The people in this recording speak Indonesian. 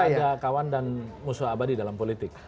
ada kawan dan musuh abadi dalam politik